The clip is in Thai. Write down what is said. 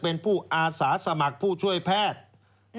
เป็นผู้อาสาสมัครผู้ช่วยแพทย์